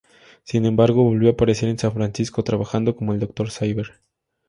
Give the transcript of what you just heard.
Sin embargo, volvió a aparecer en San Francisco, trabajando para el Doctor Cyber.